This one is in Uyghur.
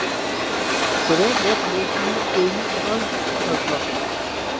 بىرەر رەت بولسىمۇ ئۆينى ئاز تازلا.